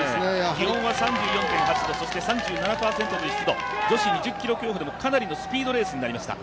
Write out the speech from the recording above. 気温は３４．８度、そして３７％という湿度、女子２０ｋｍ競歩でもかなりのスピードレースになりました。